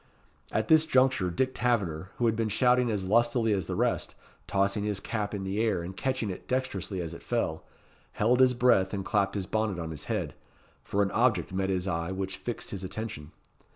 At this juncture, Dick Taverner, who had been shouting as lustily as the rest, tossing his cap in the air, and catching it dexterously as it fell, held his breath and clapped his bonnet on his head, for an object met his eye which fixed his attention.